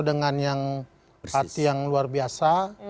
dengan yang hati yang luar biasa